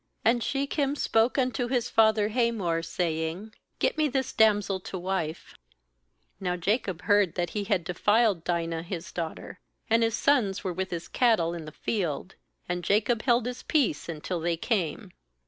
4And Shechem spoke unto his father « That is, God, the God of Israel 41 34.4 GENESIS Hamor, saying: 'Get me this damsel to wife/ 6Now Jacob heard that he had defiled Dinah his daughter; and his sons were with his cattle in the field; and Jacob held his peace until they came.